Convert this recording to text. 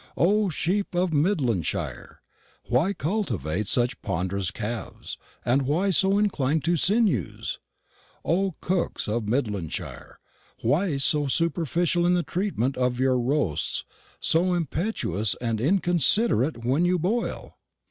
O sheep of Midlandshire! why cultivate such ponderous calves, and why so incline to sinews? O cooks of Midlandshire! why so superficial in the treatment of your roasts, so impetuous and inconsiderate when you boil?